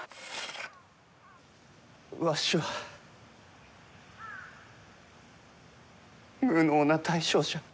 わしは無能な大将じゃ。